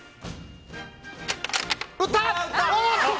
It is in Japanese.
打った！